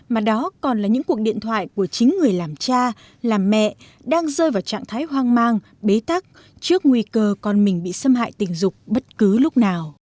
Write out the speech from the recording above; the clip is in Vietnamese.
mà đó còn là những cuộc điện thoại của chính người làm cha làm mẹ đang rơi vào trạng thái hoang mang bế tắc trước nguy cơ con mình bị xâm hại tình dục bất cứ lúc nào